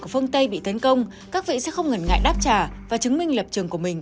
ở phương tây bị tấn công các vệ sẽ không ngần ngại đáp trả và chứng minh lập trường của mình